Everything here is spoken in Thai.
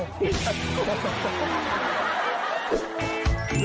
กง